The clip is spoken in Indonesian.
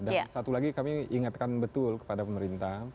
dan satu lagi kami ingatkan betul kepada pemerintah